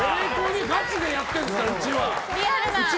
ガチでやっているんですからうちは！